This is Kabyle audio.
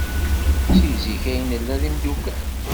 Seg zik ay nella d timeddukal.